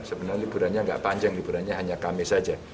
sebenarnya liburannya tidak panjang liburannya hanya kamis saja